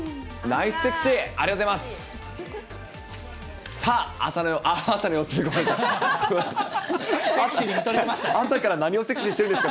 ナイスセクシー、ありがとうございます。